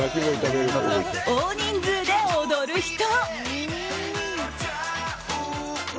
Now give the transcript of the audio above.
大人数で踊る人。